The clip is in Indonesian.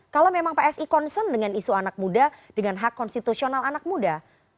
kalau memang psi concern dengan isu anak muda dengan hak konstitusional anak muda